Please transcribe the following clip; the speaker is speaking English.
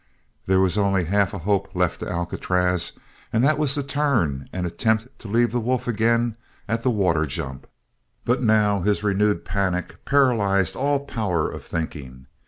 There was only half a hope left to Alcatraz and that was to turn and attempt to leave the wolf again at the water jump; but now his renewed panic paralyzed all power of thinking.